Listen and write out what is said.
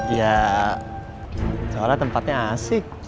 ya soalnya tempatnya asik